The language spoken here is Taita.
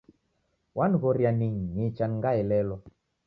Wanighoria ningicha ngaelelwa